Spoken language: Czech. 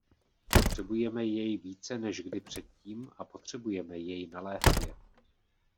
Potřebujeme jej více než kdy předtím a potřebujeme jej naléhavě.